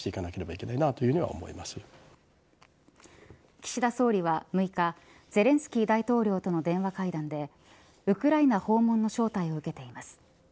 岸田総理は６日ゼレンスキー大統領との電話会談でウクライナ訪問の招待を受けています。